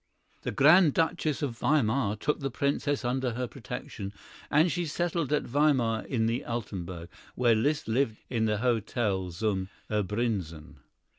The Grandduchess of Weimar took the Princess under her protection, and she settled at Weimar in the Altenburg, while Liszt lived in the Hotel zum Erbprinzen.